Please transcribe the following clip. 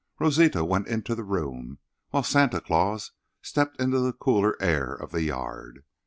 Rosita went into the room, while Santa Claus stepped into the cooler air of the yard.